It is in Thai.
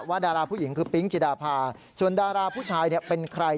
ดาราผู้หญิงคือปิ๊งจิดาพาส่วนดาราผู้ชายเป็นใคร